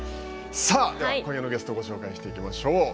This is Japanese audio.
さあ、今夜のゲストをご紹介していきましょう。